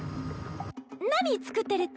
何作ってるっちゃ？